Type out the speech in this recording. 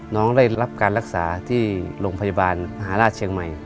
ได้รับการรักษาที่โรงพยาบาลมหาราชเชียงใหม่